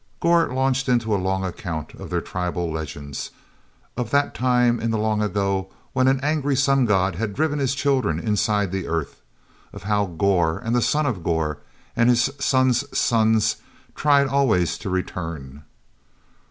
or launched into a long account of their tribal legends, of that time in the long ago when an angry sun god had driven his children inside the earth; of how Gor, and the son of Gor, and his son's sons tried always to return.